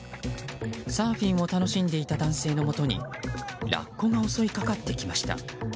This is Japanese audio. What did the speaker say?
サーフィンを楽しんでいた男性のもとにラッコが襲いかかってきました。